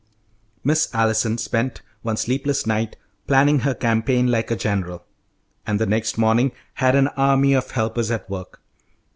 Miss Allison spent one sleepless night, planning her campaign like a general, and next morning had an army of helpers at work.